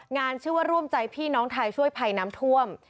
ชื่อว่าร่วมใจพี่น้องไทยช่วยภัยน้ำท่วม